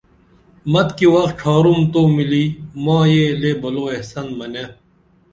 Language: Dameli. متِکی وخ ڇھارتُھم تو ملی ماں یہ لے بلو احسن منے